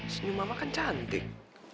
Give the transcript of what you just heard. senyum mama kan cantik